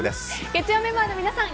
月曜メンバーの皆さん